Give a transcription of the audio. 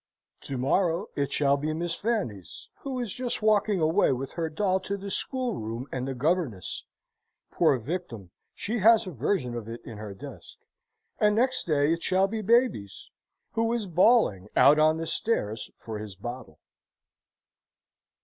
To morrow it shall be Miss Fanny's, who is just walking away with her doll to the schoolroom and the governess (poor victim! she has a version of it in her desk): and next day it shall be Baby's, who is bawling out on the stairs for his bottle.